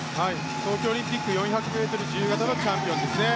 東京オリンピック４００ｍ自由形のチャンピオン。